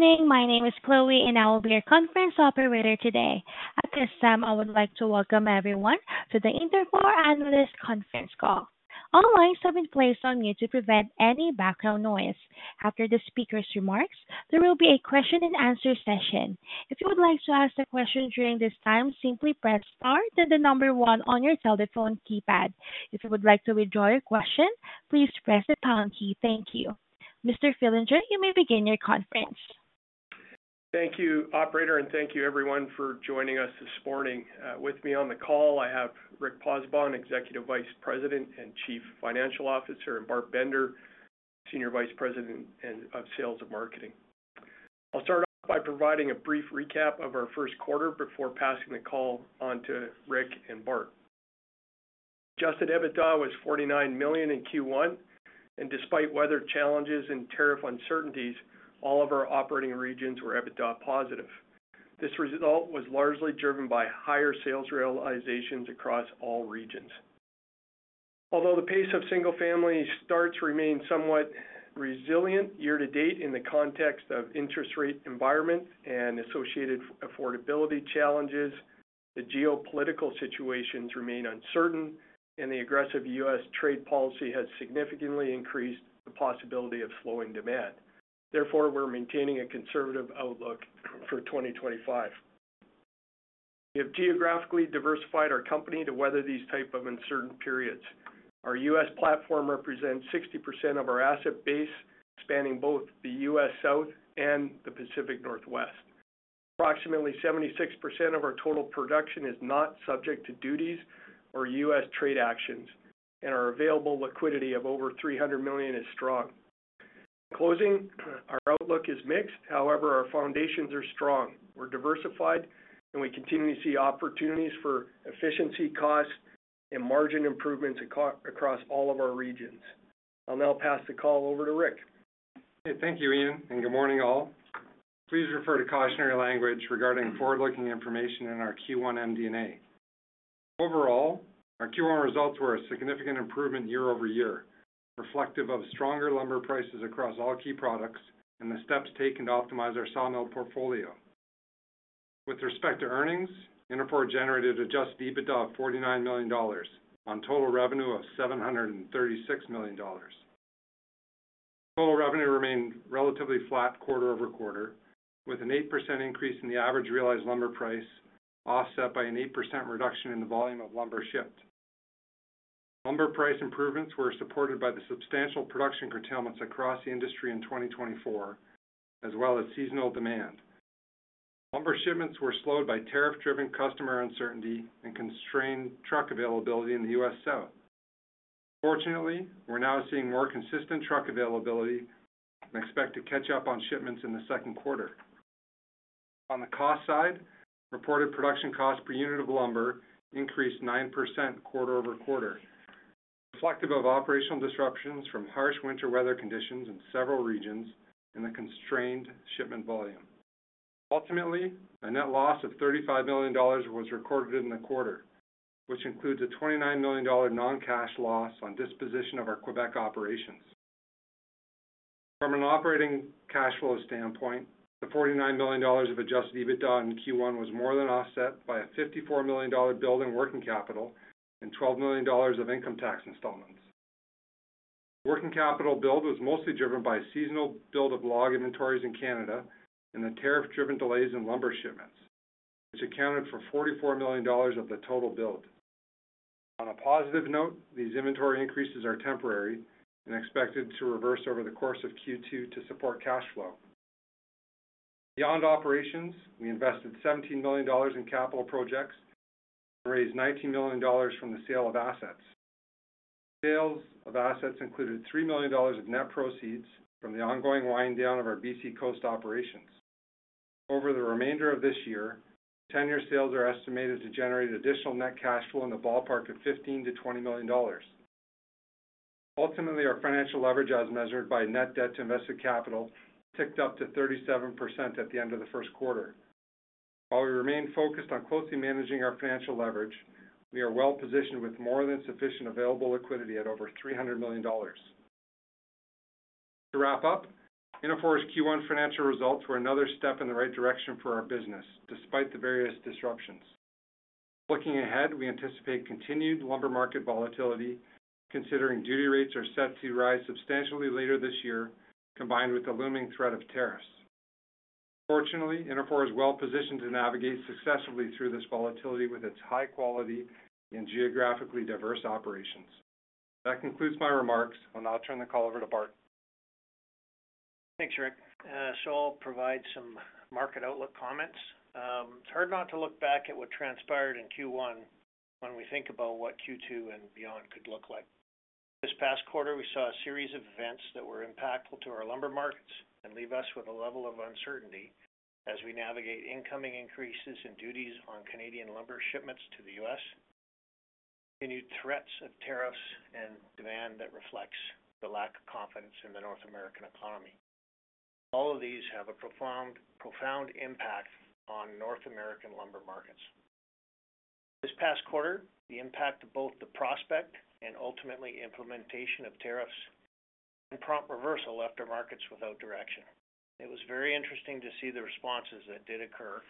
Good morning. My name is Chloe, and I will be your conference operator today. At this time, I would like to welcome everyone to the Interfor Analyst Conference Call. All lines have been placed on mute to prevent any background noise. After the speaker's remarks, there will be a question-and-answer session. If you would like to ask a question during this time, simply press Star, then the number one on your telephone keypad. If you would like to withdraw your question, please press the pound key. Thank you. Mr. Fillinger, you may begin your conference. Thank you, Operator, and thank you, everyone, for joining us this morning. With me on the call, I have Rick Pozzebon, Executive Vice President and Chief Financial Officer, and Bart Bender, Senior Vice President of Sales and Marketing. I'll start off by providing a brief recap of our first quarter before passing the call on to Rick and Bart. Adjusted EBITDA was $49 million in Q1, and despite weather challenges and tariff uncertainties, all of our operating regions were EBITDA positive. This result was largely driven by higher sales realizations across all regions. Although the pace of single-family starts remains somewhat resilient year-to-date in the context of interest rate environment and associated affordability challenges, the geopolitical situations remain uncertain, and the aggressive U.S. trade policy has significantly increased the possibility of slowing demand. Therefore, we're maintaining a conservative outlook for 2025. We have geographically diversified our company to weather these types of uncertain periods. Our U.S. platform represents 60% of our asset base, spanning both the U.S. South and the Pacific Northwest. Approximately 76% of our total production is not subject to duties or U.S. trade actions, and our available liquidity of over $300 million is strong. In closing, our outlook is mixed. However, our foundations are strong. We're diversified, and we continue to see opportunities for efficiency, cost, and margin improvements across all of our regions. I'll now pass the call over to Rick. Thank you, Ian, and good morning, all. Please refer to cautionary language regarding forward-looking information in our Q1 MD&A. Overall, our Q1 results were a significant improvement year over year, reflective of stronger lumber prices across all key products and the steps taken to optimize our sawmill portfolio. With respect to earnings, Interfor generated adjusted EBITDA of $49 million on total revenue of $736 million. Total revenue remained relatively flat quarter over quarter, with an 8% increase in the average realized lumber price offset by an 8% reduction in the volume of lumber shipped. Lumber price improvements were supported by the substantial production curtailments across the industry in 2024, as well as seasonal demand. Lumber shipments were slowed by tariff-driven customer uncertainty and constrained truck availability in the U.S. South. Fortunately, we're now seeing more consistent truck availability and expect to catch up on shipments in the second quarter. On the cost side, reported production costs per unit of lumber increased 9% quarter over quarter, reflective of operational disruptions from harsh winter weather conditions in several regions and the constrained shipment volume. Ultimately, a net loss of $35 million was recorded in the quarter, which includes a $29 million non-cash loss on disposition of our Quebec operations. From an operating cash flow standpoint, the $49 million of Adjusted EBITDA in Q1 was more than offset by a $54 million build in working capital and $12 million of income tax installments. Working capital build was mostly driven by a seasonal build of log inventories in Canada and the tariff-driven delays in lumber shipments, which accounted for $44 million of the total build. On a positive note, these inventory increases are temporary and expected to reverse over the course of Q2 to support cash flow. Beyond operations, we invested $17 million in capital projects and raised $19 million from the sale of assets. Sales of assets included $3 million of net proceeds from the ongoing wind-down of our B.C. Coast operations. Over the remainder of this year, tenure sales are estimated to generate additional net cash flow in the ballpark of $15 million-20 million. Ultimately, our financial leverage, as measured by net debt to invested capital, ticked up to 37% at the end of the first quarter. While we remain focused on closely managing our financial leverage, we are well-positioned with more than sufficient available liquidity at over $300 million. To wrap up, Interfor's Q1 financial results were another step in the right direction for our business, despite the various disruptions. Looking ahead, we anticipate continued lumber market volatility, considering duty rates are set to rise substantially later this year, combined with the looming threat of tariffs. Fortunately, Interfor is well-positioned to navigate successfully through this volatility with its high-quality and geographically diverse operations. That concludes my remarks, and I'll turn the call over to Bart. Thanks, Rick. I'll provide some market outlook comments. It's hard not to look back at what transpired in Q1 when we think about what Q2 and beyond could look like. This past quarter, we saw a series of events that were impactful to our lumber markets and leave us with a level of uncertainty as we navigate incoming increases in duties on Canadian lumber shipments to the U.S., continued threats of tariffs, and demand that reflects the lack of confidence in the North American economy. All of these have a profound impact on North American lumber markets. This past quarter, the impact of both the prospect and ultimately implementation of tariffs and prompt reversal left our markets without direction. It was very interesting to see the responses that did occur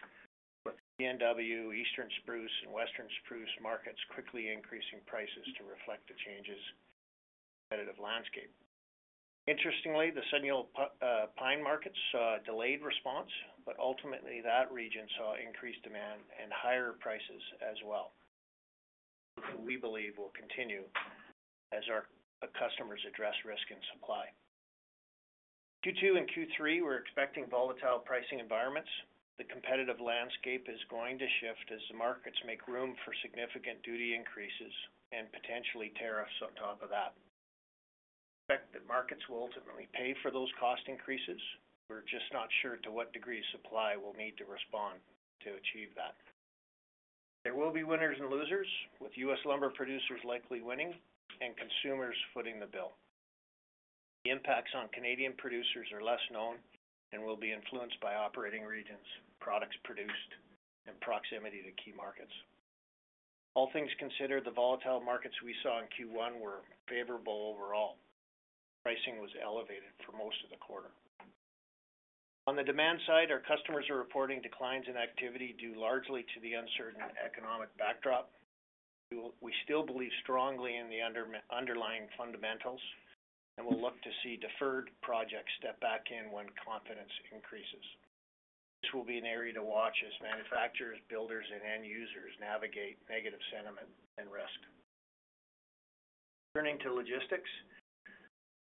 with SPF, Eastern Spruce, and Western Spruce markets quickly increasing prices to reflect the changes in the competitive landscape. Interestingly, the Southern Yellow Pine markets saw a delayed response, but ultimately that region saw increased demand and higher prices as well, which we believe will continue as our customers address risk in supply. Q2 and Q3, we're expecting volatile pricing environments. The competitive landscape is going to shift as the markets make room for significant duty increases and potentially tariffs on top of that. We expect that markets will ultimately pay for those cost increases. We're just not sure to what degree supply will need to respond to achieve that. There will be winners and losers, with U.S. lumber producers likely winning and consumers footing the bill. The impacts on Canadian producers are less known and will be influenced by operating regions, products produced, and proximity to key markets. All things considered, the volatile markets we saw in Q1 were favorable overall. Pricing was elevated for most of the quarter. On the demand side, our customers are reporting declines in activity due largely to the uncertain economic backdrop. We still believe strongly in the underlying fundamentals, and we'll look to see deferred projects step back in when confidence increases. This will be an area to watch as manufacturers, builders, and end users navigate negative sentiment and risk. Turning to logistics,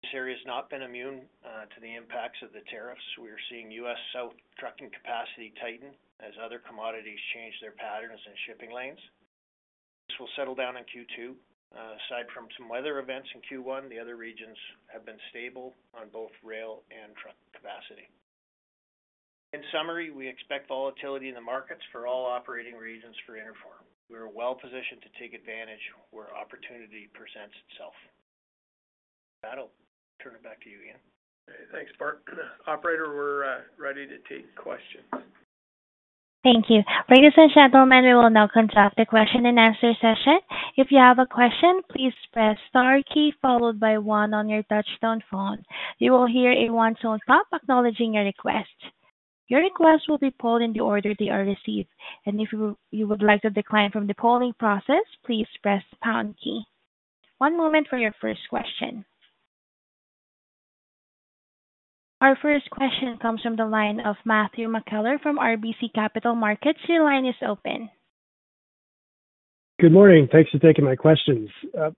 this area has not been immune to the impacts of the tariffs. We are seeing U.S. South trucking capacity tighten as other commodities change their patterns and shipping lanes. This will settle down in Q2. Aside from some weather events in Q1, the other regions have been stable on both rail and truck capacity. In summary, we expect volatility in the markets for all operating regions for Interfor. We are well-positioned to take advantage where opportunity presents itself. I'll turn it back to you, Ian. Thanks, Bart. Operator, we're ready to take questions. Thank you. Rick is in shadow manner. We'll now conduct a question-and-answer session. If you have a question, please press the star key followed by one on your touch-tone phone. You will hear a one-tone pop acknowledging your request. Your request will be pulled in the order they are received, and if you would like to decline from the polling process, please press the pound key. One moment for your first question. Our first question comes from the line of Matthew McKellar from RBC Capital Markets. Your line is open. Good morning. Thanks for taking my questions.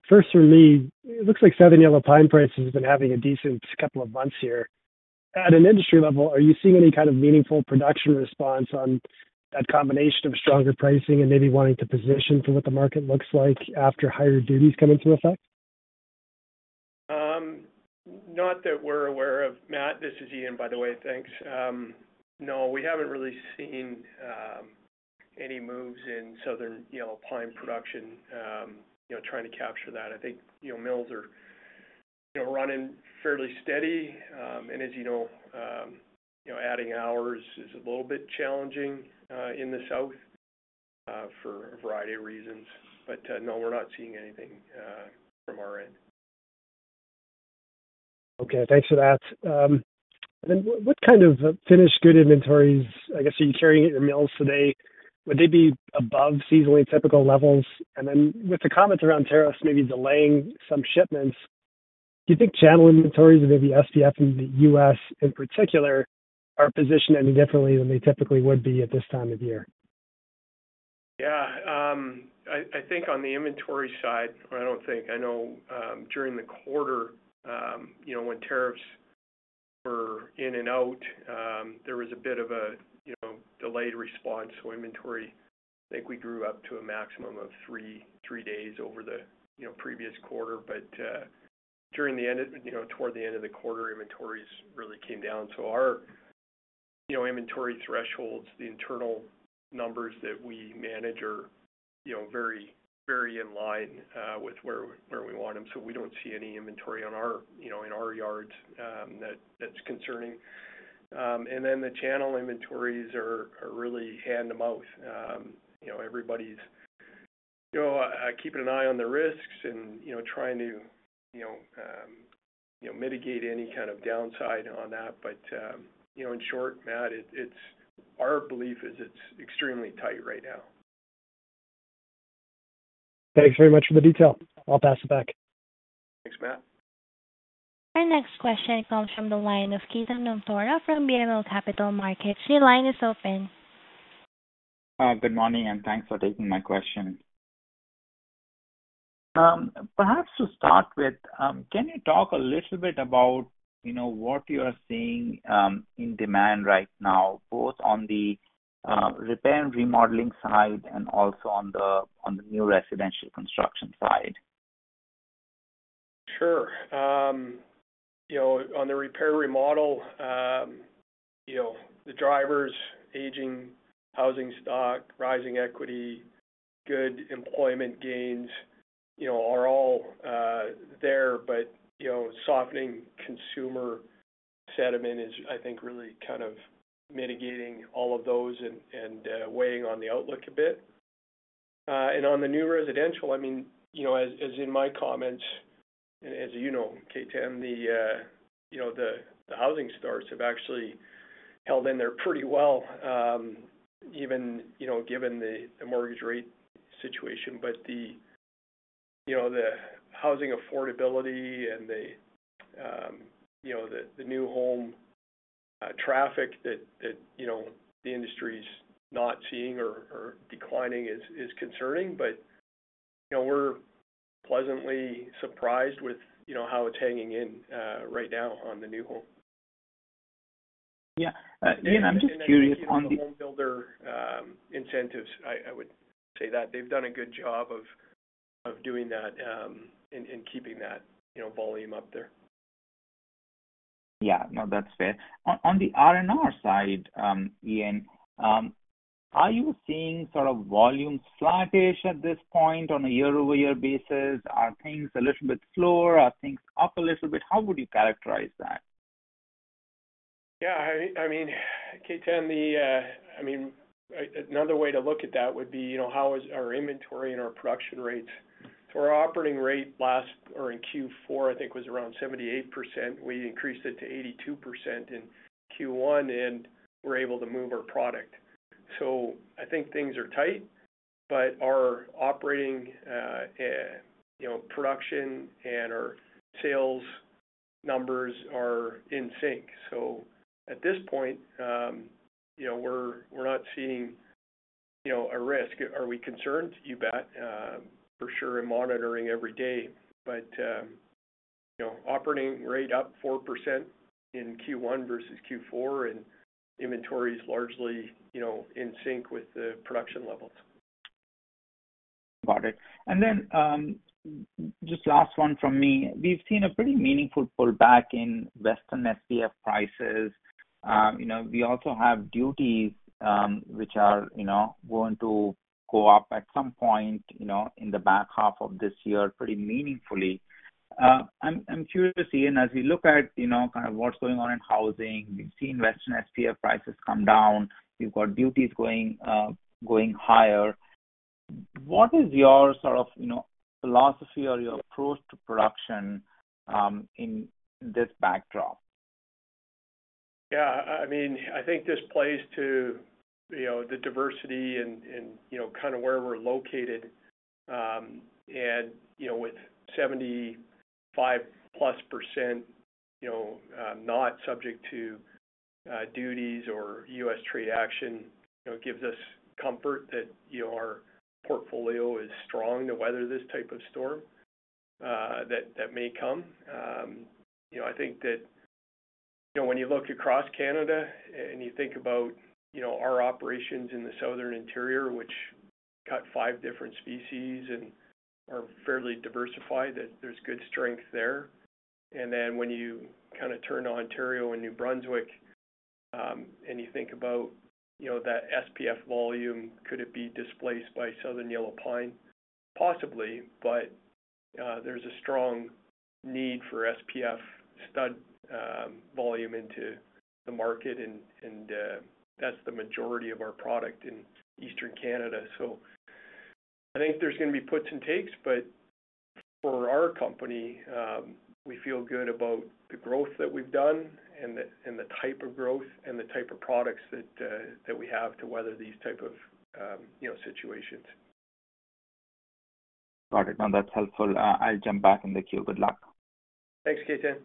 First, for me, it looks like Southern Yellow Pine prices have been having a decent couple of months here. At an industry level, are you seeing any kind of meaningful production response on that combination of stronger pricing and maybe wanting to position for what the market looks like after higher duties come into effect? Not that we're aware of. Matt, this is Ian, by the way. Thanks. No, we haven't really seen any moves in Southern Pine production trying to capture that. I think mills are running fairly steady, and as you know, adding hours is a little bit challenging in the South for a variety of reasons. No, we're not seeing anything from our end. Okay. Thanks for that. What kind of finished good inventories, I guess, are you carrying at your mills today? Would they be above seasonally typical levels? With the comments around tariffs maybe delaying some shipments, do you think channel inventories and maybe SPF in the U.S. in particular are positioned any differently than they typically would be at this time of year? Yeah. I think on the inventory side, I do not think. I know during the quarter, when tariffs were in and out, there was a bit of a delayed response. Inventory, I think we grew up to a maximum of three days over the previous quarter. During the end, toward the end of the quarter, inventories really came down. Our inventory thresholds, the internal numbers that we manage, are very in line with where we want them. We do not see any inventory in our yards that is concerning. The channel inventories are really hand-to-mouth. Everybody is keeping an eye on the risks and trying to mitigate any kind of downside on that. In short, Matt, our belief is it is extremely tight right now. Thanks very much for the detail. I'll pass it back. Thanks, Matt. Our next question comes from the line of Ketan Mamtora from BMO Capital Markets. Your line is open. Good morning, and thanks for taking my question. Perhaps to start with, can you talk a little bit about what you are seeing in demand right now, both on the repair and remodeling side and also on the new residential construction side? Sure. On the repair remodel, the drivers, aging housing stock, rising equity, good employment gains are all there, but softening consumer sentiment is, I think, really kind of mitigating all of those and weighing on the outlook a bit. On the new residential, I mean, as in my comments, and as you know, KTM, the housing starts have actually held in there pretty well, even given the mortgage rate situation. The housing affordability and the new home traffic that the industry is not seeing or declining is concerning, but we're pleasantly surprised with how it's hanging in right now on the new home. I would say that they've done a good job of doing that and keeping that volume up there. Yeah. No, that's fair. On the R&R side, Ian, are you seeing sort of volume sluggish at this point on a year-over-year basis? Are things a little bit slower? Are things up a little bit? How would you characterize that? Yeah. I mean, KTM, I mean, another way to look at that would be how is our inventory and our production rates. Our operating rate last, or in Q4, I think, was around 78%. We increased it to 82% in Q1, and we're able to move our product. I think things are tight, but our operating production and our sales numbers are in sync. At this point, we're not seeing a risk. Are we concerned? You bet. For sure, and monitoring every day. Operating rate up 4% in Q1 versus Q4, and inventory is largely in sync with the production levels. Got it. Just last one from me. We've seen a pretty meaningful pullback in Western SPF prices. We also have duties which are going to go up at some point in the back half of this year pretty meaningfully. I'm curious, Ian, as we look at kind of what's going on in housing, we've seen Western SPF prices come down. You've got duties going higher. What is your sort of philosophy or your approach to production in this backdrop? Yeah. I mean, I think this plays to the diversity and kind of where we're located. And with 75% plus not subject to duties or U.S. trade action, it gives us comfort that our portfolio is strong to weather this type of storm that may come. I think that when you look across Canada and you think about our operations in the Southern Interior, which cut five different species and are fairly diversified, there's good strength there. And then when you kind of turn to Ontario and New Brunswick and you think about that SPF volume, could it be displaced by Southern Yellow Pine? Possibly, but there's a strong need for SPF stud volume into the market, and that's the majority of our product in Eastern Canada. I think there's going to be puts and takes, but for our company, we feel good about the growth that we've done and the type of growth and the type of products that we have to weather these types of situations. Got it. No, that's helpful. I'll jump back in the queue. Good luck. Thanks, Ketan.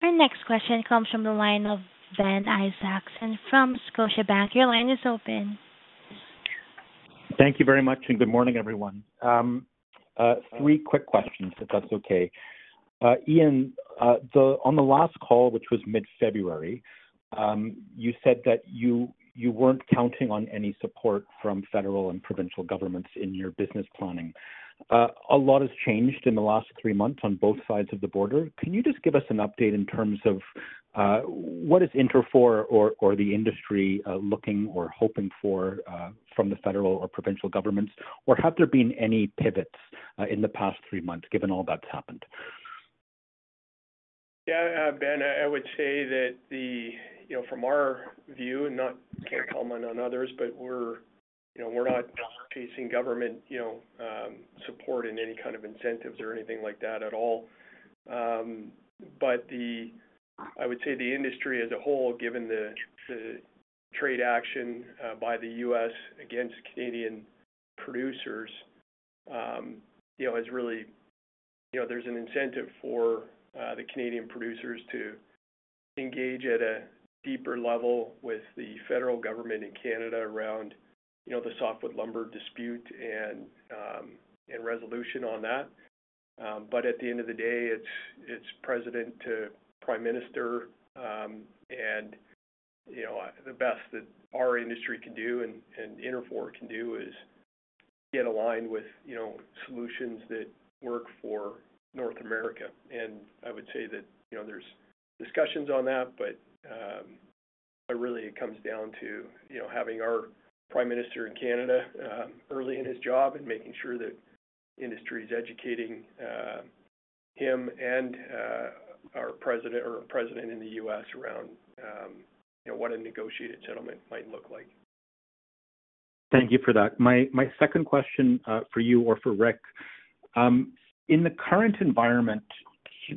Our next question comes from the line of Ben Isaacson from Scotiabank. Your line is open. Thank you very much, and good morning, everyone. Three quick questions, if that's okay. Ian, on the last call, which was mid-February, you said that you weren't counting on any support from federal and provincial governments in your business planning. A lot has changed in the last three months on both sides of the border. Can you just give us an update in terms of what is Interfor or the industry looking or hoping for from the federal or provincial governments, or have there been any pivots in the past three months, given all that's happened? Yeah. Ben, I would say that from our view, and not KTM and others, but we're not facing government support in any kind of incentives or anything like that at all. I would say the industry as a whole, given the trade action by the U.S. against Canadian producers, has really there's an incentive for the Canadian producers to engage at a deeper level with the federal government in Canada around the softwood lumber dispute and resolution on that. At the end of the day, it's President to Prime Minister, and the best that our industry can do and Interfor can do is get aligned with solutions that work for North America. I would say that there's discussions on that, but really, it comes down to having our Prime Minister in Canada early in his job and making sure that industry is educating him and our President in the U.S. around what a negotiated settlement might look like. Thank you for that. My second question for you or for Rick. In the current environment,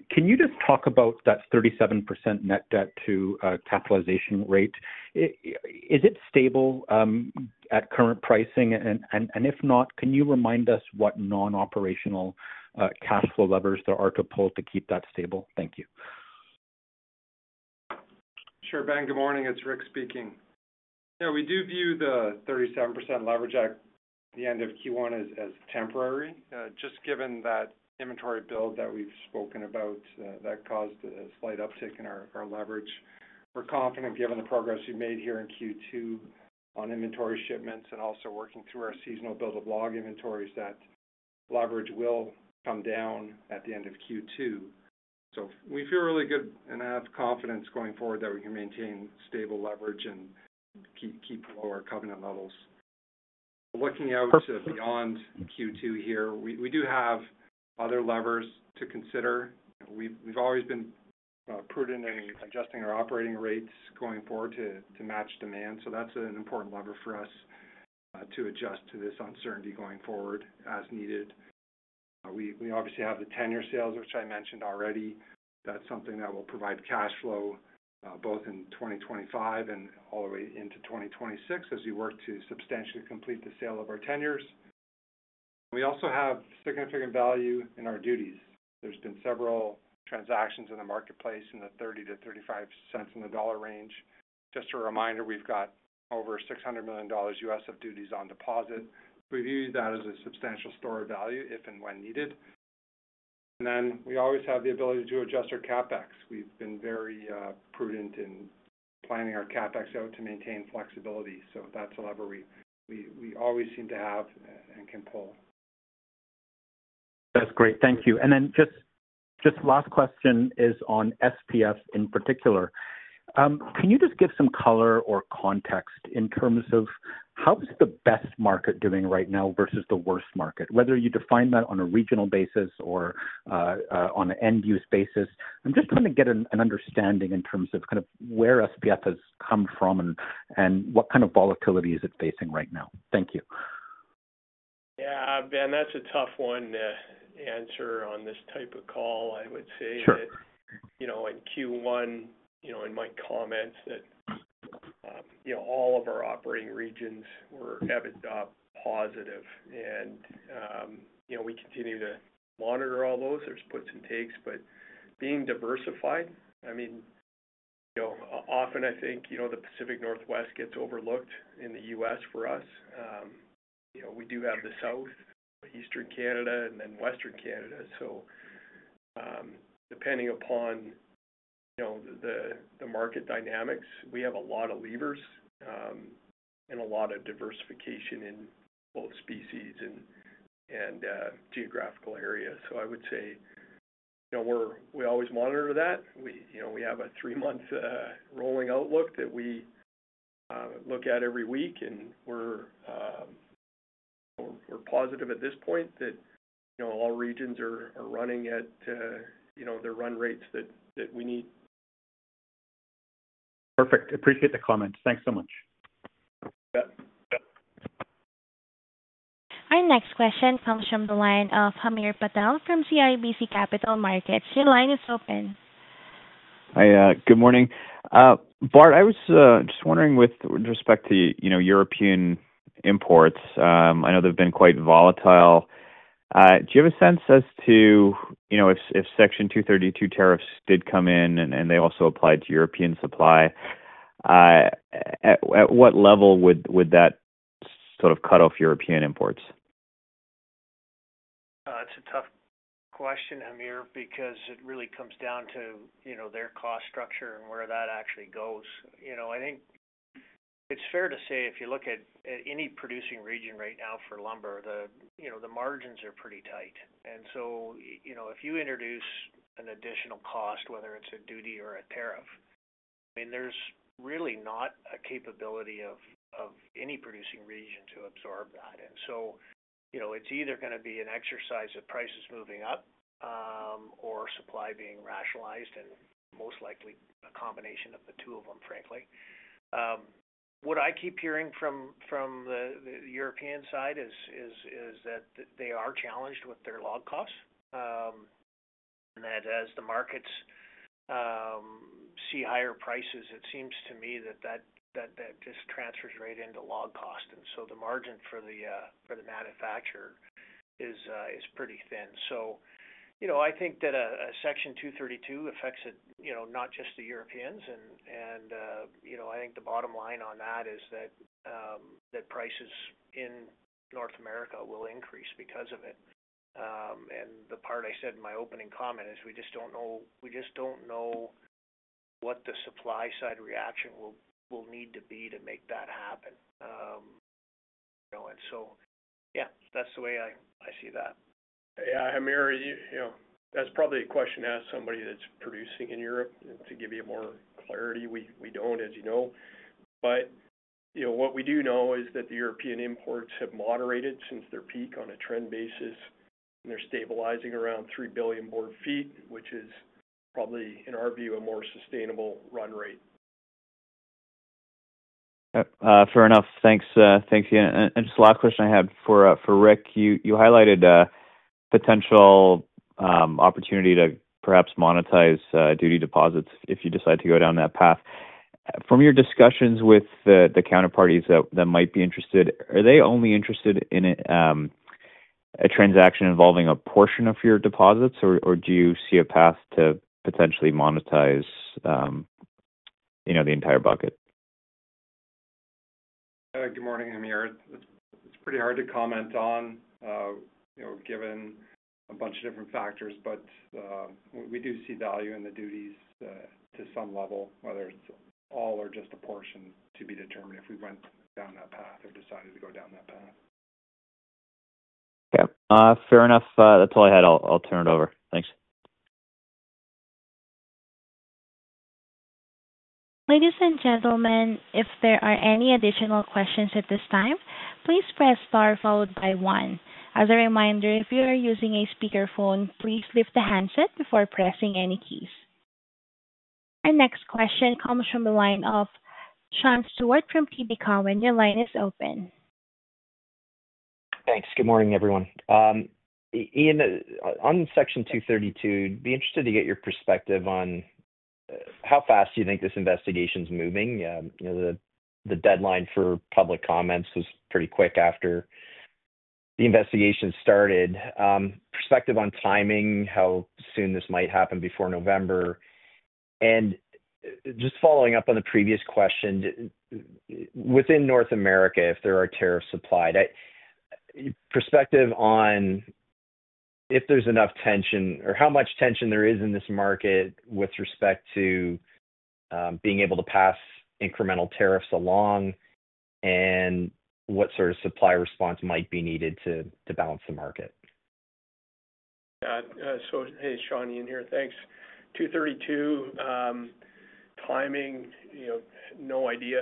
can you just talk about that 37% net debt to capitalization rate? Is it stable at current pricing? If not, can you remind us what non-operational cash flow levers there are to pull to keep that stable? Thank you. Sure, Ben. Good morning. It's Rick speaking. Yeah. We do view the 37% leverage at the end of Q1 as temporary, just given that inventory build that we've spoken about that caused a slight uptick in our leverage. We're confident, given the progress we've made here in Q2 on inventory shipments and also working through our seasonal build of log inventories, that leverage will come down at the end of Q2. We feel really good and have confidence going forward that we can maintain stable leverage and keep lower covenant levels. Looking out beyond Q2 here, we do have other levers to consider. We've always been prudent in adjusting our operating rates going forward to match demand. That's an important lever for us to adjust to this uncertainty going forward as needed. We obviously have the tenure sales, which I mentioned already. That's something that will provide cash flow both in 2025 and all the way into 2026 as we work to substantially complete the sale of our tenures. We also have significant value in our duties. There have been several transactions in the marketplace in the $0.30-$0.35 on the dollar range. Just a reminder, we've got over $600 million U.S. of duties on deposit. We view that as a substantial store of value if and when needed. We always have the ability to adjust our CapEx. We've been very prudent in planning our CapEx out to maintain flexibility. That's a lever we always seem to have and can pull. That's great. Thank you. Just last question is on SPF in particular. Can you just give some color or context in terms of how is the best market doing right now versus the worst market, whether you define that on a regional basis or on an end-use basis? I'm just trying to get an understanding in terms of kind of where SPF has come from and what kind of volatility is it facing right now. Thank you. Yeah. Ben, that's a tough one to answer on this type of call, I would say. Sure. In Q1, in my comments, all of our operating regions were EBITDA positive, and we continue to monitor all those. There's puts and takes, but being diversified, I mean, often I think the Pacific Northwest gets overlooked in the U.S. for us. We do have the South, Eastern Canada, and then Western Canada. Depending upon the market dynamics, we have a lot of levers and a lot of diversification in both species and geographical areas. I would say we always monitor that. We have a three-month rolling outlook that we look at every week, and we're positive at this point that all regions are running at the run rates that we need. Perfect. Appreciate the comments. Thanks so much. Our next question comes from the line of Hamir Patel from CIBC Capital Markets. Your line is open. Hi. Good morning. Bart, I was just wondering with respect to European imports, I know they've been quite volatile. Do you have a sense as to if Section 232 tariffs did come in and they also applied to European supply, at what level would that sort of cut off European imports? That's a tough question, Hamir, because it really comes down to their cost structure and where that actually goes. I think it's fair to say if you look at any producing region right now for lumber, the margins are pretty tight. If you introduce an additional cost, whether it's a duty or a tariff, I mean, there's really not a capability of any producing region to absorb that. It's either going to be an exercise of prices moving up or supply being rationalized and most likely a combination of the two of them, frankly. What I keep hearing from the European side is that they are challenged with their log costs. As the markets see higher prices, it seems to me that that just transfers right into log cost. The margin for the manufacturer is pretty thin. I think that Section 232 affects not just the Europeans, and I think the bottom line on that is that prices in North America will increase because of it. The part I said in my opening comment is we just do not know what the supply-side reaction will need to be to make that happen. Yeah, that is the way I see that. Yeah. Hamir, that is probably a question to ask somebody that is producing in Europe. To give you more clarity, we do not, as you know. What we do know is that the European imports have moderated since their peak on a trend basis, and they are stabilizing around 3 billion board feet, which is probably, in our view, a more sustainable run rate. Fair enough. Thanks, Ian. Just the last question I had for Rick. You highlighted potential opportunity to perhaps monetize duty deposits if you decide to go down that path. From your discussions with the counterparties that might be interested, are they only interested in a transaction involving a portion of your deposits, or do you see a path to potentially monetize the entire bucket? Good morning, Hamir. It's pretty hard to comment on given a bunch of different factors, but we do see value in the duties to some level, whether it's all or just a portion to be determined if we went down that path or decided to go down that path. Fair enough. That's all I had. I'll turn it over. Thanks. Ladies and gentlemen, if there are any additional questions at this time, please press star followed by one. As a reminder, if you are using a speakerphone, please lift the handset before pressing any keys. Our next question comes from the line of Sean Steuart from TD Cowen. Your line is open. Thanks. Good morning, everyone. Ian, on Section 232, I'd be interested to get your perspective on how fast you think this investigation's moving. The deadline for public comments was pretty quick after the investigation started. Perspective on timing, how soon this might happen before November? Just following up on the previous question, within North America, if there are tariffs applied, perspective on if there's enough tension or how much tension there is in this market with respect to being able to pass incremental tariffs along and what sort of supply response might be needed to balance the market? Yeah. So hey, Sean, Ian here. Thanks. 232, timing, no idea.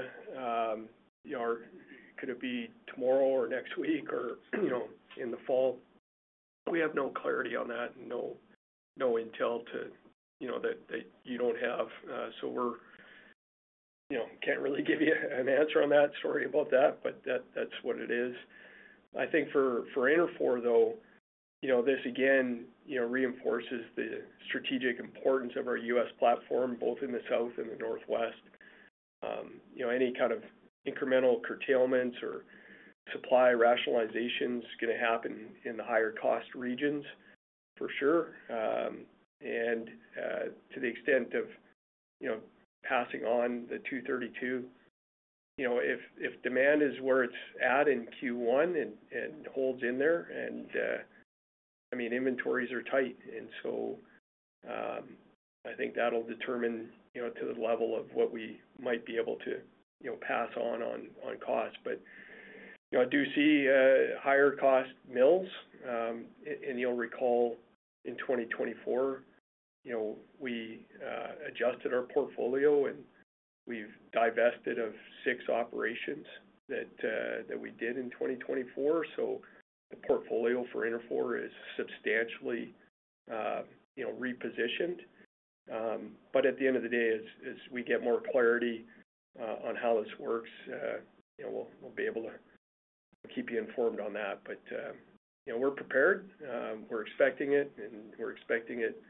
Could it be tomorrow or next week or in the fall? We have no clarity on that and no intel that you do not have. We cannot really give you an answer on that story about that, but that is what it is. I think for Interfor, though, this again reinforces the strategic importance of our U.S. platform, both in the South and the Northwest. Any kind of incremental curtailments or supply rationalizations are going to happen in the higher-cost regions, for sure. To the extent of passing on the 232, if demand is where it is at in Q1 and holds in there, and I mean, inventories are tight, and I think that will determine to the level of what we might be able to pass on on cost. I do see higher-cost mills. You'll recall in 2024, we adjusted our portfolio, and we've divested of six operations that we did in 2024. The portfolio for Interfor is substantially repositioned. At the end of the day, as we get more clarity on how this works, we'll be able to keep you informed on that. We're prepared. We're expecting it, and we're expecting it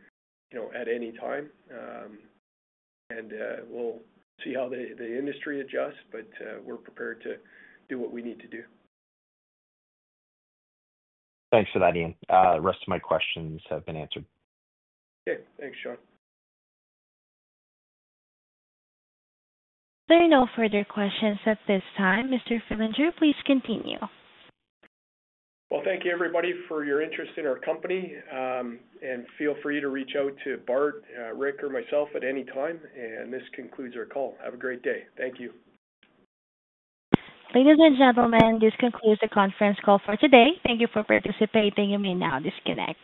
at any time. We'll see how the industry adjusts, but we're prepared to do what we need to do. Thanks for that, Ian. The rest of my questions have been answered. Okay. Thanks, Sean. There are no further questions at this time. Mr. Fillinger, please continue. Thank you, everybody, for your interest in our company. Feel free to reach out to Bart, Rick, or myself at any time. This concludes our call. Have a great day. Thank you. Ladies and gentlemen, this concludes the conference call for today. Thank you for participating. You may now disconnect.